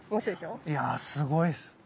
いやすごいっす。